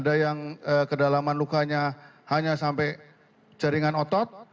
ada yang kedalaman lukanya hanya sampai jaringan otot